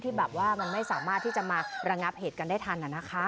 ที่แบบว่ามันไม่สามารถที่จะมาระงับเหตุกันได้ทัน